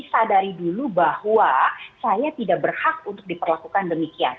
sadari dulu bahwa saya tidak berhak untuk diperlakukan demikian